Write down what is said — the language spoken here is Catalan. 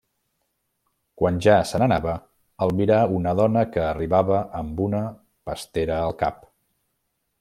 Quan ja se n'anava, albirà una dona que arribava amb una pastera al cap.